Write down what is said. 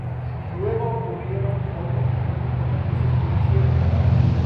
Luego ocurrieron otros retrasos por la crisis financiera.